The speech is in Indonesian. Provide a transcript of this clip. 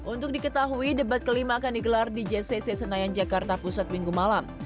untuk diketahui debat kelima akan digelar di jcc senayan jakarta pusat minggu malam